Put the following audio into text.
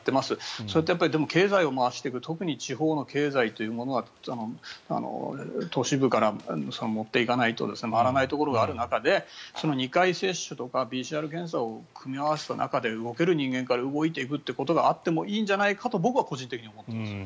それって経済を回していく特に地方の経済というものは都市部から持っていかないと回らないところがある中で２回接種とかＰＣＲ検査を組み合わせた中で動ける人間から動いていくということがあってもいいんじゃないかと僕は個人的に思っています。